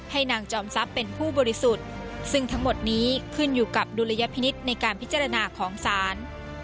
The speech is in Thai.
นางจอมทรัพย์เป็นผู้บริสุทธิ์ซึ่งทั้งหมดนี้ขึ้นอยู่กับดุลยพินิษฐ์ในการพิจารณาของศาล